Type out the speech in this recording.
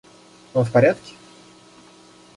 Он в порядке?